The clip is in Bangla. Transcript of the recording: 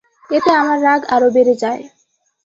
এতে আমার রাগ আরো বেড়ে যায়।